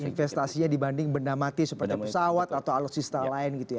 investasinya dibanding benda mati seperti pesawat atau alutsista lain gitu ya